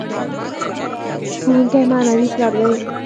ښوونکی معنوي پلار دی.